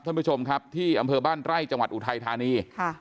ท่านผู้ชมครับที่อำเภอบ้านไร่จังหวัดอุทัยธานี